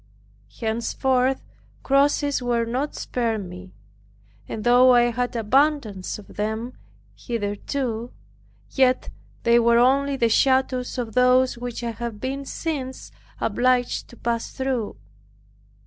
Henceforth crosses were not spared me, and though I had abundance of them hitherto, yet they were only the shadows of those which I have been since obliged to pass through.